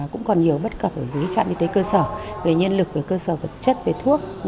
cũng còn nhiều bất cập ở dưới trạm y tế cơ sở về nhân lực về cơ sở vật chất về thuốc